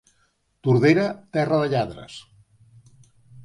Tordera, terra de lladres.